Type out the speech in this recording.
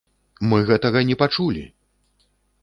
Мы гэтага не пачулі!